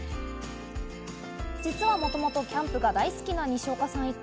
実はもともとキャンプが大好きな西岡さん一家。